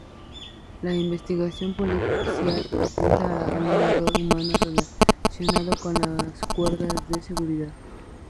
La investigación policial apunta a un error humano relacionado con las cuerdas de seguridad.